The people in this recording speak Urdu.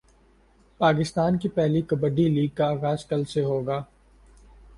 پاکستان کی پہلی کبڈی لیگ کا غاز کل سے ہوگا